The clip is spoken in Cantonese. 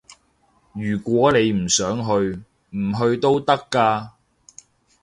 如果你唔想去，唔去都得㗎